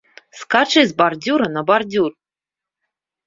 Скачы з бардзюра на бардзюр!